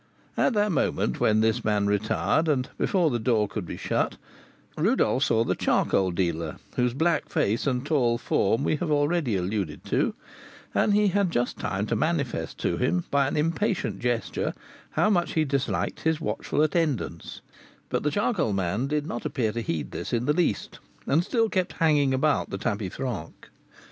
At that moment when this man retired, and before the door could be shut, Rodolph saw the charcoal dealer, whose black face and tall form we have already alluded to, and he had just time to manifest to him, by an impatient gesture, how much he disliked his watchful attendance; but the charcoal man did not appear to heed this in the least, and still kept hanging about the tapis franc.